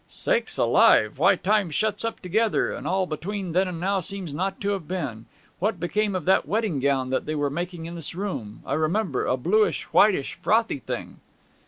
'Sakes alive! Why, time shuts up together, and all between then and now seems not to have been! What became of that wedding gown that they were making in this room, I remember a bluish, whitish, frothy thing?'